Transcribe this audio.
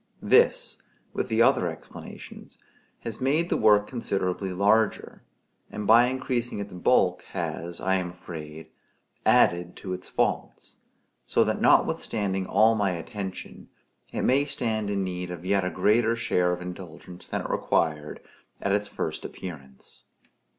This, with the other explanations, has made the work considerably larger; and by increasing its bulk has, I am afraid, added to its faults; so that notwithstanding all my attention, it may stand in need of a yet greater share of indulgence than it required at its first appearance.